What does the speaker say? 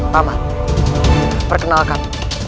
pak man perkenalkan